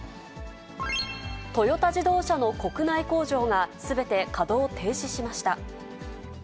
トヨタ自動車の国内工場が、すべて稼働を停止しました。